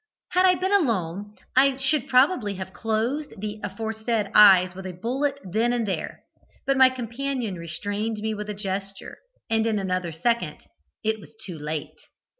"Had I been alone, I should probably have closed the aforesaid eyes with a bullet then and there, but my companion restrained me with a gesture, and in another second it was too late.